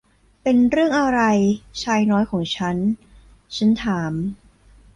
'เป็นเรื่องอะไรชายน้อยของฉัน' ฉันถาม